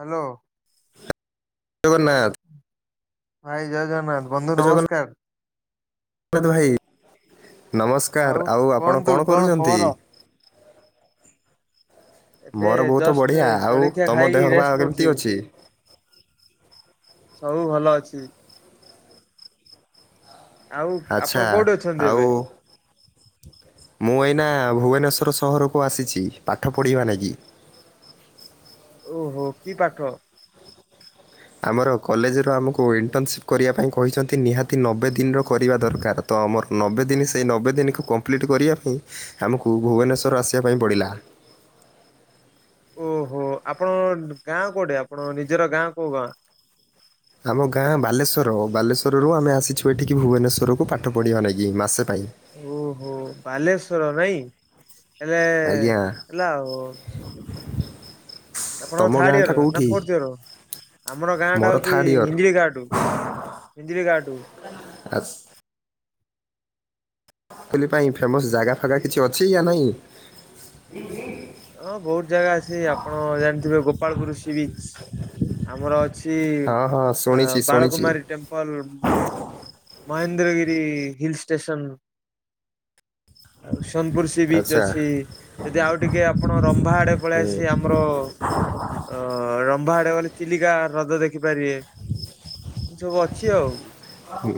Hello Jagannath. ଭାଇ ଜୟ ଜଗନ୍ନାଥ, ବନ୍ଧୁ ଜଗନ୍ନାଥ ନମସ୍କାର। ଭାଇ ନମସ୍କାର, ଆଉ ଆପଣ କଣ କରୁଛନ୍ତି? ଏବେ ମୋର ବହୁତ ଜଷ୍ଟ ବଢ଼ିଆ ଆଉ ଜଳଖିଆ ତମ ଖାଇକି ଦେହ ବା ରେଷ୍ଟ କେମିତି କରୁଛି। ଅଛି? ସବୁ ଭଲ ଅଛି। ଆଉ ଆଚ୍ଛା ଆପଣ କୋଉଠି ଅଛନ୍ତି ଆଉ ଏବେ? ମୁଁ ଏଇନା ଭୁବନେଶ୍ୱର ସହରକୁ ଆସିଛି, ପାଠ ପଢ଼ିବା ଲାଗି ଓହୋ, କି ପାଠ? ଆମର କଲେଜରୁ ଆମକୁ ଇଣ୍ଟର୍ନସିପ୍ କରିବା ପାଇଁ କହିଛନ୍ତି, ନିହାତି ନବେ ଦିନର କରିବା ଦରକାର। ତ ଆମର ନବେ ଦିନ, ସେଇ ନବେ ଦିନକୁ କମ୍ପ୍ଲିଟ୍ କରିବା ପାଇଁ ଆମକୁ ଭୁବନେଶର ଆସିବା ପାଇଁ ପଡ଼ିଲା। ଓହୋ, ଆପଣ ଗାଁ କୋଉଠି, ଆପଣ ନିଜର ଗାଁ କୋଉ ଗାଁ? ଆମ ଗାଁ ବାଲେଶ୍ୱର, ବାଲେଶ୍ୱରରୁ ଆମେ ଆସିଛୁ ଏଠିକି ଭୁବନେଶ୍ୱରକୁ ପାଠ ପଢ଼ିବା ନେଇକି ମାସେ ପାଇଁ ଓହୋ ବାଲେଶ୍ଵର ନାଇଁ, ହେଲେ ଆଜ୍ଞା ହେଲା ଆଉ ଆପଣଙ୍କ ତମ ଥାଡ ଗାଁଟା ଇୟର ନା କୋଉଠି ଫୋର୍ଥ ଇୟର, ଆମର ଗାଁ ମୋର ଟା ହଉଛି ଥାର୍ଡ଼ ଇୟର୍ [unintelligible] ପିଞ୍ଜିରି ଗାଁଠୁ [unintelligible] ପାଇଁ ଫେମସ୍ ଜାଗା ଫାଗା କିଛି ଅଛି ୟା ନେହିଁ। ହଁ ବହୁତ ଜାଗା ଅଛି, ଆପଣ ଜାଣିଥିବେ ଗୋପାଳପୁୁର ସି ବିଚ। ଆମର ଅଛି ହଁ ହଁ ଶୁଣିଛି ଶୁଣିଛି Balakumari temple. Mahendragiri hill station ଆଉ ସୋନପୁର ସି ବିଚ୍ ଆଚ୍ଛା ଅଛି। ଯଦି ଆଉ ଟିକେ ଆ ଆପଣ ରମ୍ଭା ଆଡ଼େ ପଳେଇ ଆସି ଆମର ହ-ଅ, ରମ୍ଭା ଆଡେ ମାନେ ଚିଲିକା ହ୍ରଦ ଦେଖିପାରିବେ। ଏ ସବୁ ଅଛି ଆଉ। ହୁଁ,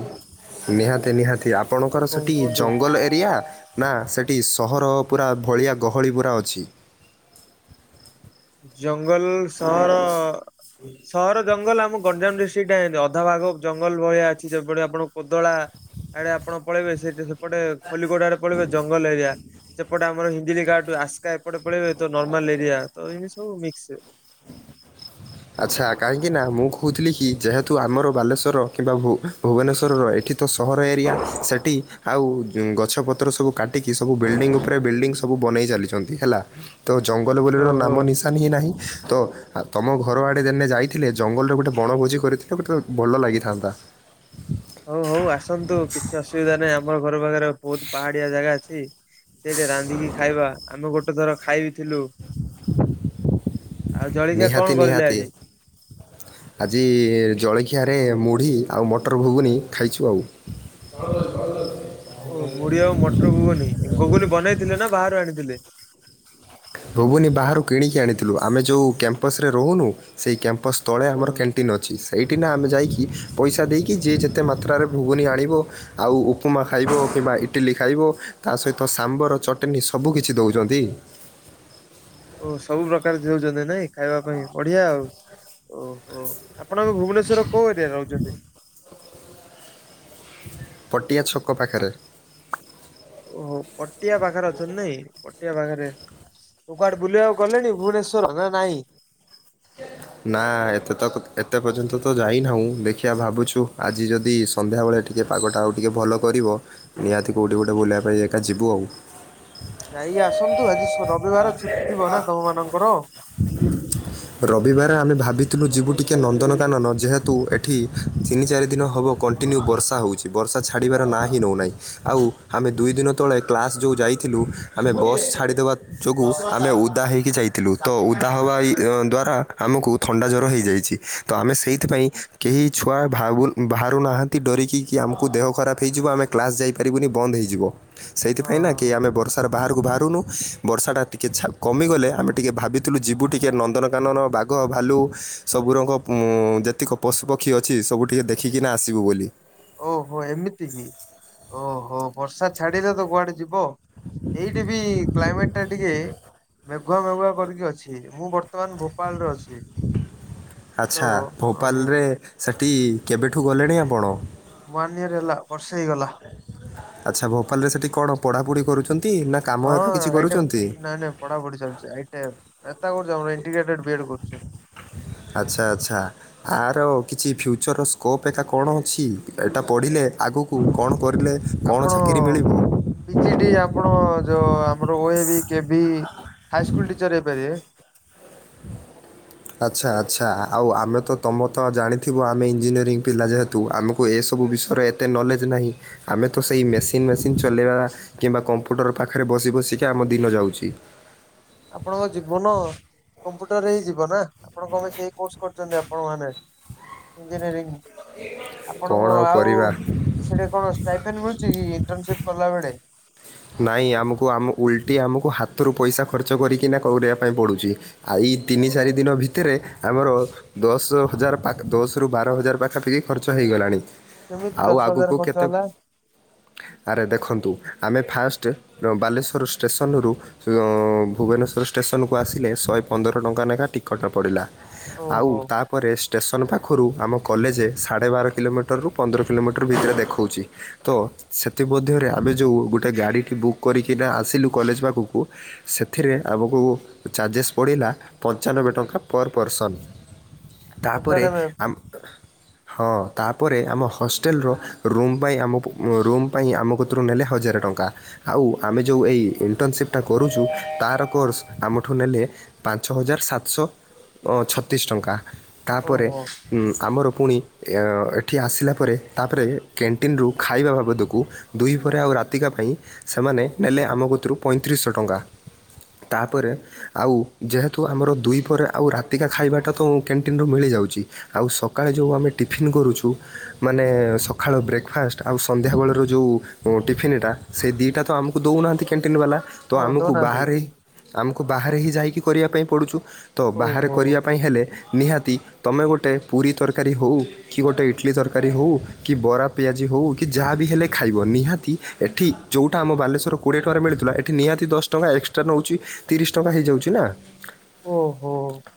ନିହାତି ନିହାତି ଆଉ ଆପଣଙ୍କର କଣ ସେଠି କୁହନ୍ତୁ ଜଙ୍ଗଲ ଏରିଆ ନା ସେଟି ସହର ପୁରା ଭଳିଆ ଗହଳି ପୁରା ଅଛି? ଜଙ୍ଗଲ ସହର ସହର ଜଙ୍ଗଲ ଆମକ ଗଞ୍ଜାମ ଡିଷ୍ଟ୍ରିକ୍ଟ ଟା ଏମତି ଅଧାଭାଗ ଜଙ୍ଗଲ ଭଳିଆ ଅଛି। ଯେଭଳି ଆପଣ ଓଦଳା ଆଡେ ଆପଣ ପଳେଇବେ ସେଟି ସେପଟେ ଖଲିକୋଡ ଆଡେ ପଳେଇବେ ଜଙ୍ଗଲ ଏରିଆ। ସେପଟେ ଆମର ହିଞ୍ଜିଳିକାଟୁ ଆସ୍କା ଏପଟେ ପଳେଇବେ ତ ନର୍ମାଲ ଏରିଆ ତ ଏମିତି ସବୁ ମିକ୍ସ। ଆଚ୍ଛା କାହିଁକି ନା ମୁଁ କହୁଥିଲି କି ଯେହେତୁ ଆମର ବାଲେଶ୍ୱର କିମ୍ବା ଭୁ-ଭୁବନେଶ୍ୱରର ଏଠି ତ ସହର ଏରିଆ ସେଟି ଆଉ ଜୁଁ ଗଛପତ୍ର ସବୁ କାଟିକି ସବୁ ବିଲ୍ଡିଙ୍ଗ ଉପରେ ବିଲ୍ଡିଙ୍ଗ ସବୁ ବନେଇ ଚାଲିଛନ୍ତି ହେଲା। ତ ଜଙ୍ଗଲ ବୋଲିର ଓହୋ ନାମ ନିଶାନ ହିଁ ନାହିଁ ତ ଆ, ତୋମ ଘ ଘର ଆଡ଼େ ଦେନେ ଯାଇଥିଲେ ଜଙ୍ଗଲରେ ଗୋଟେ ବଣଭୋଜି କରିଥିଲେ ଗୋଟେ ଭଲ ଲାଗିଥାନ୍ତା। ହଉ ହଉ ଆସନ୍ତୁ କିଛି ଅସୁବିଧା ନାହିଁ। ଆମର ଘର ପାଖରେ ବହୁତ ପାହାଡିଆ ଜାଗା ଅଛି। ସେଇଠି ରାନ୍ଧିକି ଖାଇବା। ଆମେ ଗୋଟେ ଥର ଖାଇବି ଥିଲୁ। ଆଉ ଜଳଖିଆ ନିହାତି କଣ କରିଲେ ନିହାତି ଆଜି? ଆଜି ଜଳଖିଆରେ ମୁଢ଼ି ଆଉ ମଟର ଭୁଗୁନି ଖାଇଛୁ ଆଉ। ଓ ମୁଢି ଆଉ ମଟର ଗୁଗୁନି, ଏ ଗୁଗୁନି ବନେଇଥିଲେ ନା ବାହାରୁ ଆଣିଥିଲେ? ଭୁବୁନି ବାହାରୁ କିଣିକି ଆଣିଥିଲୁ। ଆମେ ଯୋଉ କ୍ୟାମ୍ପସ୍ ରେ ରହୁନୁ ସେହି କ୍ୟାମ୍ପସ୍ ତଳେ ଆମର ହଁ। କ୍ୟାଣ୍ଟିନ୍ ଅଛି। ଏଇଠି ନା ଆମେ ଯାଇକି ପଇସା ଦେଇକି ଯିଏ ଯେତେ ମାତ୍ରାରେ ଘୁଗୁନି ଆଣିବ। ଆଉ ଉପମା ଖାଇବ କିମ୍ବା ଇଟିଲି ଖାଇବ ତା ସହିତ ସାମ୍ବର ଚଟନୀ ସବୁ କିଛି ଦଉଚନ୍ତି। ଓ ସବୁ ପ୍ର୍ରକାର ଜଉଚନ୍ତି ନାଇଁ ଖାଇବା ପାଇଁ ବଢିଆ ଆଉ। ଓହୋ! ଆପଣ ଏବେ ଭୁବନେଶ୍ୱର କୋଉ ଏରିଆରେ ରହୁଚନ୍ତି? ପଟିଆ ଛକ ଆ- ପାଖରେ। ଓହୋ! ପଟିଆ ପାଖରେ ଅଛନ୍ତି ନାଇଁ ପଟିଆ ପାଖରେ। ଓ କୁଆଡେ ବୁଲିବାକୁ ଗଲେଣି ଭୁବନେଶ୍ଵର ନା ନାଇଁ? [inaudible] ନା ଏତେ ତ ଏତେ ପର୍ଯ୍ୟନ୍ତ ତ ଯାଇ ନାହୁଁ। ଦେଖିଆ ଭାବୁଛୁ ଆଜି ଯଦି ସନ୍ଧ୍ୟାବେଳେ ଟିକେ ପାଗଟା ଆଉ ଟିକିଏ ଭଲ କରିବ। ନିହାତି କୋଉଠି ଗୋଟେ ବୁଲିବା ପାଇଁ ଏକା ଯିବୁ ଆଉ। ଯାଇ ଆସନ୍ତୁ ଆଜି ସ-ରବିବାର ଛୁଟି ଥିବ ନା ତୋମ ମାନଙ୍କର? ରବିବାର ଆମେ ଭାବିଥିଲୁ ଯିବୁ ଟିକେ ନନ୍ଦନକାନନ। ଯେହେତୁ ଏଠି ତିନି ଚାରି ଦିନ ହବ କଣ୍ଟ କଣ୍ଟିନ୍ୟୁ ବର୍ଷା ହଉଛି ବର୍ଷା ଛାଡ଼ିବାର ନା ହିିଁ ନଉନାହିଁ। ଆଉ ଆମେ ଦୁଇ ଦିନ ତଳେ କ୍ଲାସ୍ ଯୋଉ ଯାଇଥିଲୁ ଆମେ ବସ୍ ଛାଡ଼ିଦେବା ଯୋଗୁ ଆମେ ଉଦା ହେଇକି ଯାଇଥିଲୁ। ତ ଉଦା ହବା ଇ, ଅ, ଦ୍ଵାରା ଆମକୁ ଥଣ୍ଡା ଜର ହେଇଯାଇଛି। ତ ଆମେ ସେଇଥିପାଇଁ କେହି ଛୁଆ ଭାବୁଲ ବାହାରୁନାହାନ୍ତି ଡରିକି କି ଆମକୁ ଦେହ ଖରାପ ହେଇଯିବ। ଆମେ କ୍ଲାସ୍ ଯାଇପାରିବୁନି ବନ୍ଦ ହେଇଯିବ। ସେଇଥିପାଇଁ ନା କିଏ ହଁ। ଆମେ ବର୍ଷାରେ ବାହାରକୁ ବାହାରୁନୁ। ବର୍ଷାଟା ଟିକେ ଛା କମିଗଲେ ଆମେ ଟିକିଏ ଭାବିଥିଲୁ ଯିବୁ ଟିକେ ନନ୍ଦନକାନନ। ବାଘ, ଭାଲୁ ସବୁ ରଙ୍କ ପୁ-ଯେତିକ ପଶୁପକ୍ଷୀ ଅଛି ସବୁ ଟିକେ ଦେଖିକିନା ଆସିବୁ ବୋଲି। ଓହୋ! ଏମିତି ହି, ଓହୋ, ବର୍ଷା ଛାଡିଲେ ତ କୁଆଡେ ଯିବ। ଏଇଟି ବି କ୍ଲାଇମେଟ୍ ଟା ଟିକେ ମେ ଘୁଆ ମେଘୁଆ କରିକି ଅଛି। ମୁଁ ବର୍ତ୍ତମାନ ଭୋପାଳରେ ଅଛି। ତ ଆଚ୍ଛା, ଭୋପାଲରେ ସେଟି କେବେଠୁ ଗଲେଣି ଆପଣ? ୱାନ୍ ଇୟର୍ ହେଲା, ବର୍ଷେ ହେଇଗଲା। ଆଚ୍ଛା, ଭୋପାଲରେ ସେଟି କଣ ପଢାପଢି କରୁଛନ୍ତି, ନା କାମ ଏକା କିଛି କରୁଛନ୍ତି? ପଢା ପଢି ଚାଲିଚି ଆଇଟାର [unintelligible] ଇଣ୍ଟିଗ୍ରେଟେଡ୍ ବିଏଡ୍ କରୁଛି। ଆଚ୍ଛା, ଆଚ୍ଛା। ଆର କିଛି ଫ୍ୟୁଚର୍ ସ୍କୋପ୍ ଏକା କଣ ଅଛି? ଏଟା ପଢ଼ିଲେ ଆଗକୁ କଣ କରିଲେ କ'ଣ ଆପଣ ଚାକିରି ମିଳିବ ପିଜି ଟି ଆପଣ ଯୋଉ ଆମର ଓ ଏ ବି କେଭି ହାଇସ୍କୁଲ ଟିଚର ହେଇପାରିବେ। ଆଚ୍ଛା ଆଚ୍ଛା ଆଉ ଆମେ ତ ତମ ତ ଜାଣିଥିବ ଆମେ ଇଞ୍ଜିନିୟରିଂ ପିଲା ଯେହେତୁ ଆମକୁ ଏସବୁ ବିଷୟରେ ଏତେ ନଲେଜ୍ ନାହିଁ। ଆମେ ତ ସେଇ ମେସିନ ମେସିନ୍ ଚଲେଇବା କିମ୍ବା କମ୍ପ୍ୟୁଟର ପାଖରେ ବସି ବସିକି ଆମ ଦିନ ଯାଉଛି। ଆପଣଙ୍କ ଜୀବନ କମ୍ପ୍ୟୁଟରରେ ହିଁ ଯିବ ନା। ଆପଣ କଣ ପାଇଁ ସେଇ କୋର୍ସ କରିଛନ୍ତି ଆପଣ ମାନେ ଇଞ୍ଜିନିୟରିଂ। କଣ ଆଉ କରିବା। ସେଟି କଣ ଷ୍ଟାଇଫେନ୍ ମିଳୁଛି କି ଇଣ୍ଟରନସିପ୍ କଲା ବେଳେ? ନାଇଁ ଆମକୁ ଆମ ଉଲଟି ଆମକୁ ହାତରୁ ପଇସା ଖର୍ଚ୍ଚ କରିକିନା କରିବା ପାଇଁ ପଡୁଛି। ଆଇ ତିନି ଚାରି ଦିନ ଭିତରେ ଆମର ଦଶ ହଜାର ପାକ୍ ଦଶ ରୁ ବାର ହଜାର ପାଖାପାଖି ଖର୍ଚ୍ଚ ହେଇଗଲାଣି। କେମିତି ଆଉ ଦଶ ହଜାର ଆଗକୁ ଖର୍ଚ୍ଚ କେତେ? ହେଲା? ଆରେ ଦେଖନ୍ତୁ ଆମେ ଫାଷ୍ଟ ବାଲେଶ୍ୱର ଷ୍ଟେସନ ରୁ ଭୁବନେଶ୍ୱର ଷ୍ଟେସନକୁ ଆସିଲେ ଶହେ ପନ୍ଦର ଟଙ୍କା ଲେଖା ଟିକଟ ପଡ଼ିଲା। ଆଉ ଓହୋ ତାପରେ ଷ୍ଟେସନ ପାଖ ପାଖରୁ ଆମ କଲେଜ ସାଢ଼େ ବାର କିଲୋମିଟରରୁୁ ପନ୍ଦର କିଲୋମିଟର ଭିତରେ ଦେଖଉଛି। ତ ସେଥିମଧ୍ୟରେ ଆମେ ଯେଉଁ ଗୋଟେ ଗାଡ଼ିଟି ବୁକ୍ କରିକିନା ଆସିଲୁ କଲେଜ ପାଖକୁ ସେଥିରେ ଆମକୁ ଚାର୍ଜେସ୍ ପଡ଼ିଲା ପଞ୍ଚାନବେ ଟଙ୍କା ପର ପର୍ସନ୍। [inaudible] ତାପରେ ଆମ ହଁ ତାପରେ ଆମ ହଷ୍ଟେଲର ରୁମ୍ ପାଇଁ ଆମ ପୁ ରୁମ୍ ପାଇଁ ଆମ କତୁରୁ ନେଲେ ହଜାର ଟଙ୍କା। ତା ଆଉ ଆମେ ଯୋଉ ଏଇ ଇଣ୍ଟର୍ନସିପ୍ ଟା କରୁଛୁ ତାର କୋର୍ସ ଆମଠୁ ନେଲେ ପାଞ୍ଚ ହଜାର ସାତଶହ ଛତିଶ ଟଙ୍କା। ତାପରେ ଓହୋ ଉଁ ଆମର ପୁଣି ଏ ଏଠି ଆସିଲା ପରେ ତା ପରେ କ୍ୟାଣ୍ଟିନ୍ ରୁ ଖାଇବା ବାବଦକୁ ଦୁଇ ପରେ ଆଉ ରାତିକା ପାଇଁ ସେମାନେ ନେଲେ ଆମ କତୁରୁ ପଇଁତିରିଶହ ଟଙ୍କା। ତାପରେ ଆଉ ଯେହେତୁ ଆମର ଦୁଇ ପରେ ଆଉ ରାତିକା ଖାଇବାଟା ତ କ୍ୟାଣ୍ଟିନ୍ ମିଳିଯାଉଛି। ଆଉ ସକାଳେ ଯୋଉ ଆମେ ଟିଫିନ୍ କରୁଛୁ ମାନେ ସକାଳ ବ୍ରେକ୍ଫାଷ୍ଟ ଆଉ ସନ୍ଧ୍ୟାବେଳର ଯେଉଁ ଟିଫିନ୍ ଟା ସେ ଦିଇଟା ତ ଆମକୁ ଦଉନାହାଁନ୍ତି କ୍ୟାଣ୍ଟିନ୍ ବାଲା ତ ହଁ ଆମକୁ ଦଉନାହାନ୍ତି ବାହାରେ ଆମକୁ ବାହାରେ ହିଁ ଯାଇକି କରିବା ପାଇଁ ପଡ଼ୁଛୁ ତ ବାହାରେ ଓହୋ କରିବା ପାଇଁ ହେଲେ ନିହାତି ତୁମେ ଗୋଟେ ପୁରୀ ତରକାରୀ ହଉ କି ଗୋଟେ ଇଟଲି ତରକାରୀ ହଉ କି ବରା ପିଆଜି ହଉ କି ଯାହା ବି ହେଲେ ଖାଇବ ନିହାତି ଏଠି ଯୋଉଟା ଆମ ବାଲେଶ୍ୱର କୋଡ଼ିଏ ଟଙ୍କାରେ ମିଳୁଥିଲା ଏଠି ନିହାତି ଦଶ ଟଙ୍କା ଏକ୍ସଟ୍ରା ନଉଛି ତିରିଶ ଟଙ୍କା ହେଇଯାଉଛି ନା। ଓହୋ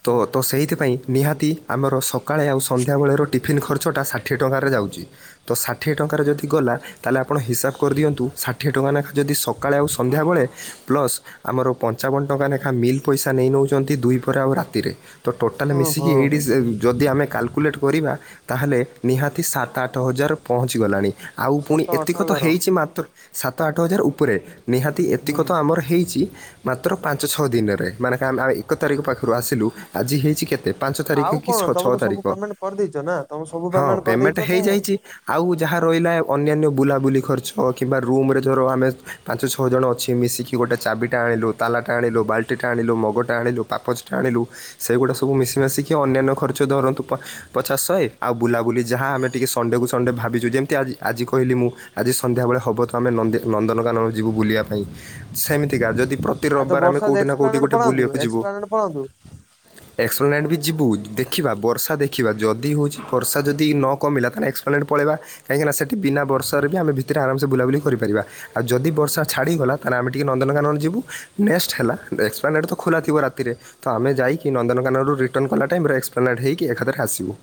ତ ତ ସେଇଥିପାଇଁ ନିହାତି ଆମର ସକାଳେ ଆଉ ସନ୍ଧ୍ୟାବେଳର ଟିଫିନ୍ ଖର୍ଚ୍ଚଟା ଷାଠିଏ ଟଙ୍କାରେ ଯାଉଛି। ତ ଷାଠିଏ ଟଙ୍କାର ଯଦି ଗଲା ତାହେଲେ ଆପଣ ହିସାବ କରିଦିଅନ୍ତୁ ଷା ଠିଏ ଟଙ୍କାନାଖା ଯଦି ସକାଳେ ଆଉ ସନ୍ଧ୍ୟାବେଳେ ପ୍ଲସ୍ ଆମର ପଞ୍ଚାବନ ଟଙ୍କା ନେଖାଁ ମିଲ୍ ପଇସା ନେଇ ନେଉଛନ୍ତି ଦୁଇ ପରେ ଆଉ ରାତିରେ। ତ ଟୋଟାଲ ଓହୋ ମିଶିକି ଏଇଟି ଯଦି ଆମେ କାଲ କୁଲେଟ୍ କରିବା ତାହେଲେ ନିହାତି ସାତ ଆଠ ହଜାର ପହଞ୍ଚିଗଲାଣି। ଆଉ ପୁଣି ସାତ ଆଠ ଏତିକ ତ ହଜାର ହେଇଛି ମାତ୍ର ସାତ ଆଠ ହଜାର ଉପରେ। ନିହାତି ହୁଁ ଏତିକ ହୁଁ ତ ଆମର ହେଇଛି ମାତ୍ର ପାଞ୍ଚ ଛଅ ଦିନରେ ମାନେ କା ଆମେ ଆ ଏକ ତାରିଖ ପାଖରୁ ଆସିଲୁ ଆଜି ହେଇଛି କେ ତେ ପାଞ୍ଚ ଆଉ ତାରିଖ କି କଣ ତମେ ଛଅ ତ ସବୁ ତାରିଖ ପେମେଣ୍ଟ କରିଦେଇଛ ନା ତମେ ସବୁ ହଁ ପେମେଣ୍ଟ କରିଦେଇଛ ତ ହେଇଯାଇଛି। ଆଉ ଯାହା ରହିଲା ଅନ୍ୟାନ୍ୟ ବୁଲାବୁଲି ଖର୍ଚ୍ଚ କିମ୍ବା ରୁମ୍ ରେ ଧର ଆମେ ପାଞ୍ଚ ଛଅ ଜଣ ଅଛି ମିଶିକି ଗୋଟେ ଚାବିଟା ଆଣିଲୁ ତାଲା ଟା ଆଣିଲୁ ବାଲ ଟିଟା ଆଣିଲୁ, ମଗଟା ଆଣିଲୁ, ପାପଚଟା ଆଣିଲୁ, ସେଇଗୁଡ଼ା ସବୁ ମିଶି ମାଶିକି ଅନ୍ୟାନ୍ୟ ଖର୍ଚ୍ଚ ଧରନ୍ତୁ ପଚାଶ ଶହେ ଆଉ ବୁଲାବୁଲି ଯାହା ଆମେ ଟିକିେ ସଣ୍ଡେକୁ ସଣ୍ଡେ ଭାବିଛୁ ଯେମିତି ଆଜି ଆଜି କହିଲି ମୁଁ ଆଜି ସନ୍ଧ୍ୟାବେଳେ ହବ ତ ଆମେ ନନ୍ଦୀ ନନ୍ଦନକାନ ଯିବୁ ବୁଲିବା ପାଇଁ ସେମିତିକା ଯଦି ପ୍ର ଆ ଏତ ବର୍ଷା ଏକ୍ସପଲ୍ଲାନେଟ୍ ପଳାନ୍ତୁ ଏକ୍ସପଲ୍ଲାନେଟ୍ ପଳାନ୍ତୁ। ଏକ୍ସପ୍ଲେନେଣ୍ଟ୍ ବି ଯିବୁ ଦେଖିବା ବର୍ଷା ଦେଖିବା ଯଦି ହେଉଛି ବର୍ଷା ଯଦି ନ କମିଲା ତାହାନେ ଏକ୍ସପ୍ଲେନେଣ୍ଟ୍ ପଳେଇବା। କାହିଁକିନା ସେଠି ବିନା ବର୍ଷାରେ ବି ଆମ ଭିତରେ ଆରାମ୍ ସେ ବୁଲାବୁଲି କରିପାରିବା। ଆଉ ଯଦି ବର୍ଷା ଛାଡ଼ିଗଲା ତାହେନେ ଆମେ ଟିକେ ନନ୍ଦନକାନନ ଯିବୁ ନେକ୍ସଟ ହେଲା ଏକ୍ସପଲ୍ଲାନେଟ୍ ତ ଖୋଲା ଥିବ ରାତିରେ। ତ ଆମେ ଯାଇକି ନନ୍ଦନକାନନରୁ ରିଟର୍ନ କଲା ଟାଇମ୍ ରେ ଏକ୍ସପ୍ଲାନେଟ୍ ହେଇକି ଏକାଥରେ ଆସିବୁ।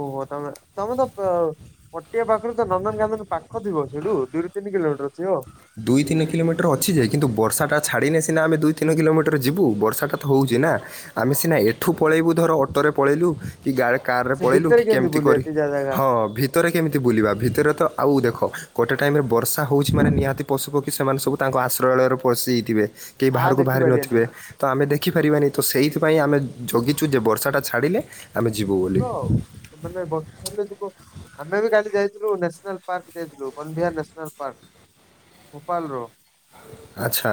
ଓହୋ ତମେ ତମେ ତ [unintelligible] ପଟିଆ ପାଖରୁ ତ ନନ୍ଦନକାନନ୍ଦନ ପାଖ ଥିବ ସେଇଠୁ ଦୁଇରୁ ତିନି କିଲୋମିଟର ଥିବ। ଦୁଇ ତିନି କିଲୋମିଟର ଅଛି ଯେ କିନ୍ତୁ ବର୍ଷାଟା ଛାଡ଼ିନେ ସିନା ଆମେ ଦୁଇ ତିନ କିଲୋମିଟର ଯିବୁ ବର୍ଷାଟା ତ ହେଉଛି ନା ଆମେ ସିନା ଏଠୁ ପଳେଇବୁ ଧର ଅଟୋରେ ପଳେଇଲୁ କି ଗା କାର ରେ ସେ ପଳେଇଲୁ ଭିତରେ କି କେମିତି ବୁଲିବା କରି ଏତେ ଯା ଜାଗା ହଁ ଭି ଭିତରେ କେମିତି ବୁଲିବା ଭିତରେ ତ ଆଉ ଦେଖ ଗୋଟେ ଟାଇମ ରେ ବର୍ଷା ହଉଛି ମାନେ ନିହାତି ପଶୁ ପକ୍ଷୀ ସେମାନେ ସବୁ ତାଙ୍କ ଆଶ୍ରୟଳୟରେ ପଶିଯାଇଥିବେ କେହି ଆ ବାହାରକୁ ବାହାରି ଦେଖିପାରିବାନି। ନଥିବେ ତ ଆମେ ଦେଖିପାରିବାନି ତ ସେଇଥିପାଇଁ ଆମେ ଜଗିଛୁ ଯେ ବର୍ଷାଟା ଛାଡ଼ିଲେ ଆମେ ଯିବୁ ବୋଲି ଯିବ ଆଉ ମାନେ ବର୍ଷା ଛାଡିଲେ ଯିବ। ଆମେ ବି କାଲି ଯାଇଥିଲୁ ନ୍ୟାସନାଲ ପାର୍କ ଯାଇଥିଲୁ ବନବିହାର ନ୍ୟାସନାଲ ପାର୍କ। ଭୋପାଳର ଆଚ୍ଛା।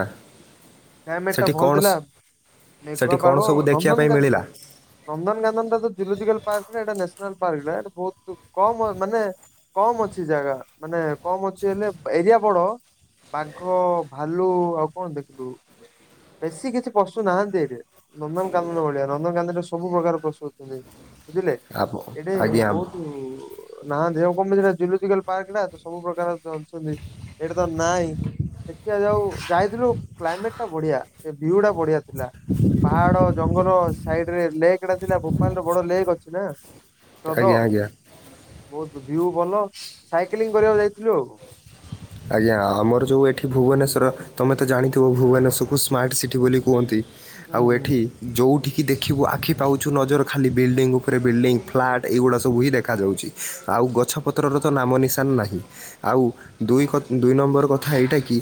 କ୍ଲାଇମେଟ୍ ଟା ସେଠି ଭଲ କ'ଣ ଥିଲା ସ- ମେଘୁଆ ସେଠି କ'ଣ ପାଗ ସବୁ ଦେଖିବା ପାଇଁ ନନ୍ଦନକାନ ମିଳିଲା ନନ୍ଦନକାନନ ଟା ତ ଜୁଲୋଜିକାଲ ପାର୍କ ନା ଏଟା ନ୍ୟାସନାଲ୍ ପାର୍କ ଏଇଟା ବହୁତ କମ୍ ମାନେ କମ୍ ଅଛି ଜାଗା ମାନେ କମ୍ ଅଛି ହେଲେ ଏରିଆ ବଡ ବାଘ ଭାଲୁ ଆଉ କଣ ଦେଖିଲୁ? ବେଶୀ କିଛି ପଶୁ ନାହାନ୍ତି ଏଠି ନନ୍ଦନକାନ୍ଦନ ଭଳିଆ ନନ୍ଦନକାନ୍ଦନରେ ସବୁ ପ୍ରକାର ପଶୁ ଅଛନ୍ତି। ବୁଝିଲେ ଆପ- ଏଇଟେ ଆଜ୍ଞା ବହୁତ୍ ନା ଦେହ କମ ସେଟା ଜୁଲଜିକାଲ ପାର୍କଟ ତ ସବୁ ପ୍ରକାର ଅଛନ୍ତି ଏଇଟା ତ ନାଇଁ [unintelligible] ସେ ଯାଉ ଯାଇଥିଲୁ କ୍ଲାଇମେଟ୍ ଟା ବଢିଆ ସେ ଭିୟୁ ଟା ବଢିଆ ଥିଲା ପାହାଡ ଜଙ୍ଗଲ ସାଇଡ୍ ରେ ଲେକ୍ଟା ଥିଲା ଭୋପାଳରେ ବଡ ଲେକ୍ ଅଛି ନା ହ୍ରଦ ଆଜ୍ଞା ଆଜ୍ଞା ବହୁତ ଭିୟୁ ଭଲ ସାଇକେଲିଂ କରିବାକୁ ଯାଇଥିଲୁ ଆଉ ଆଜ୍ଞା ଆମର ଯୋଉ ଏଠି ଭୁବନେଶ୍ଵର ତମେ ତ ଜାଣିଥିବ ଭୁବନେଶ୍ଵରକୁ ସ୍ମାର୍ଟ ସିଟି ବୋଲି କୁହନ୍ତି। ଆଉ ଏଠି ହୁଁ ଯେଉଁଠିକି ଦେଖିବୁ ଆଖି ପାଉଛୁ ନଜର ଖାଲି ବିଲ୍ଡିଙ୍ଗ ଉପରେ ବିଲ୍ଡିଙ୍ଗ ଫ୍ଲାଟ ଏଗୁଡ଼ା ସବୁ ହିଁ ଦେଖାଯାଉଛି। ଆଉ ଗଛ ପତ୍ରର ତ ନାମ ନିଶାନ ନାହିଁ ଆଉ ଦୁଇ [unintelligible] ଦୁଇ ନମ୍ବର କଥା ଏଇଟା କି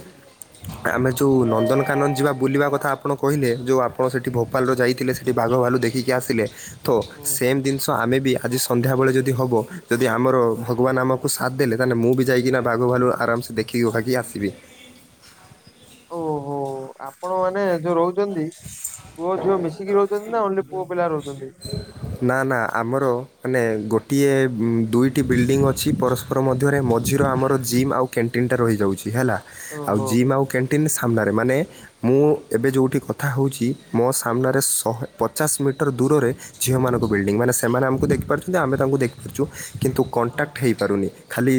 ଆମେ ଯୋଉ ନନ୍ଦନକାନନ ଯିବା ବୁଲିବା କଥା ଆପଣ କହିଲେ ଯଉ ଆପଣ ସେଠି ଭ ଭୋପାଲ ଯାଇଥିଲେ ସେଠି ବାଘ ଭାଲୁ ଦେଖିକି ଆସିଲେ ତ ହୁଁ ସେମ୍ ଜିନିଷ ତ ଆମେ ବି ଆଜି ସନ୍ଧ୍ୟାବେଳେ ଯଦି ହବ ଯଦି ଆମର ଭଗବାନ ଆମକୁ ସାଥ ଦେଲେ ତାହେଲେ ମୁଁ ବି ଯାଇକିନା ବାଘ ହୁଁ ଭାଲୁ ଆରାମସେ ଦେଖିକି [unintelligible] ଭାଗି ଆସିବି ଓହୋ ଆପଣ ମାନେ ଯୋଉ ରହୁ ପୁଅ ଝିଅ ମିଶିକି ରହୁଛନ୍ତି ନା ଓନ୍ଲି ପୁଅ ପିଲା ରହୁଛନ୍ତି? ନା ନା ଆମର ମାନେ ଗୋଟିଏ ଦୁଇଟି ବିଲ୍ଡିଂ ଅଛି ପରସ୍ପ ର ମଧ୍ୟରେ ମଝିର ଆମର ଜିମ୍ ଆଉ କ୍ୟାଣ୍ଟିନ୍ ଟା ରହିଯାଉଛି। ହେଲା ଆଉ ଓହୋ ଜିମ୍ ଆଉ କ୍ୟାଣ୍ଟିନ୍ ସାମ୍ନାରେ ମାନେ ମୁଁ ଏବେ ଯୋଉଠି କ କଥା ହେଉଛି ମୋ ସାମ୍ନାରେ ଶହେ ପଚାଶ ମିଟର ଦୂରରେ ଝିଅ ମାନଙ୍କ ବିଲଡିଂ ମାନେ ସେମାନେ ଆମକୁ ଦେଖିପାରୁଛନ୍ତି ଆମେ ତାଙ୍କୁ ଦେଖିପାରୁଛୁ କିନ୍ତୁ ଓହୋ କଣ୍ଟାକ୍ଟ ହେଇପାରୁନି ଖାଲି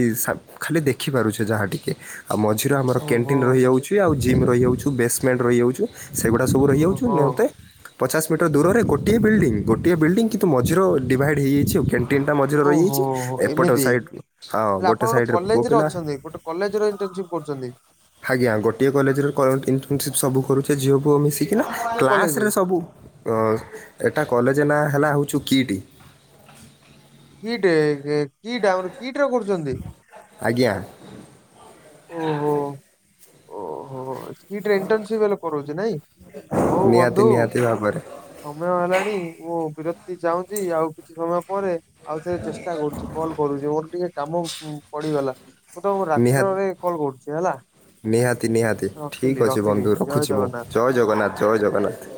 ଖାଲି ଦେଖିପାରୁଛେ ଯାହା ଟିକେ ଆଉ ମଝିରେ ଆମର କ୍ୟାଣ୍ଟିନ ଓହୋ ରହିଯାଉଛି ଆଉ ଜିମ୍ ରହିଯାଉଛୁ ବେସମେଣ୍ଟ ରହିଯାଉଛୁ ସେଗୁଡ଼ା ସବୁ ରହିଯାଉଛୁ [unintelligible] ନିତେ ଓହୋ ପଚାଶ ମିଟର ଦୂରରେ ଗୋଟିଏ ବିଲ୍ଡିଂ ଗୋଟିଏ ବିଲ୍ଡିଂ କିନ୍ତୁ ମଝିର ଡିଭାଇଡ୍ ହେଇଯାଇଛି ଆଉ କେ ତିନିଟା ମଝିରେ ରହିଯାଇଛି ଓହୋ ଏପଟ ଏମିତି। ସାଇଡ଼ ହଁ ଗୋଟେ ସାଇଡ଼ରେ ପୁଅ ପିଲା [unintelligible] ଏ ପଟେ କଲେଜ୍ ରେ ଇଣ୍ଟର୍ନଶିପ୍ କରୁଛନ୍ତି। ଆଜ୍ଞା ଗୋଟଏ କଲେଜରେ [unintelligible] ଏନ୍ତସିପ ସବୁେ ଝିଅକୁ ଆମ କି ନା କୋଉ କ୍ଲାସ୍ କଲେଜ? ରେ ସବୁ ଏଟା କଲେଜ ନାଁ ହେଲା ହେଉଚୁ କିଟି କି ଟି କି ଟି ଆମ କି ଟି କରୁଚନ୍ତି। ଆଜ୍ଞା। ଓହୋ। ହ ଓହୋ କି ଟି ରେ ଏଣ୍ଟସିପ ହେଲେ କରଉଚି ନାଇଁ ହୋଉ ନିହାତି ବନ୍ଧୁ। ନିହାତି ଭାବରେ ସମୟ ହେଲାଣି ମୁଁ ବିରତି ଚାହୁଚି ଆଉ କିଛି ସମୟ ପରେ ଆଉଥରେ ଚେଷ୍ଟା କରୁଚି କଲ କରୁଚି ମୋର ଟିକେ କାମ ପଡିଗଲା ମୁଁ ତମ ନିହାତି କୁରାତ୍ରରେ କଲ କରୁଚି ହେଲା। ନିହାତି ନିହାତି ରଖିଲି ଠିକ୍ ଅଛି ରଖିଲି ବନ୍ଧୁ ଜୟ ରଖୁଚି ମୁଁ ଜଗନ୍ନାଥ। ଜୟ ଜଗନ୍ନାଥ ଜୟ ଜଗନ୍ନାଥ।